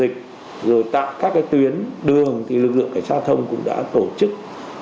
tại các cái kiểm dịch rồi tại các cái tuyến đường thì lực lượng cảnh sát thông cũng đã tổ chức